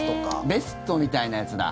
ベストみたいなやつだ。